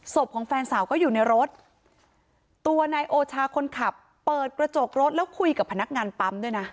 ของแฟนสาวก็อยู่ในรถตัวนายโอชาคนขับเปิดกระจกรถแล้วคุยกับพนักงานปั๊มด้วยนะ